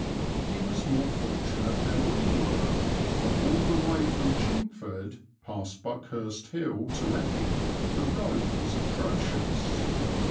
He was more fortunate than we were, for all the way from Chingford past Buckhurst Hill to Epping the road was atrocious.